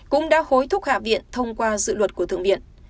cũng đã hối thúc hạ viện thông qua dự luật của thượng viện